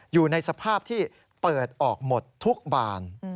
อยู่ในสภาพที่เปิดออกหมดทุกบาน